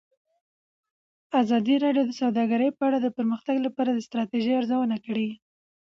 ازادي راډیو د سوداګري په اړه د پرمختګ لپاره د ستراتیژۍ ارزونه کړې.